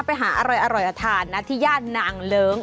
ไปหาอร่อยทานนะที่ย่านนางเลิ้ง